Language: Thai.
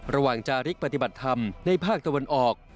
จาริกปฏิบัติธรรมในภาคตะวันออก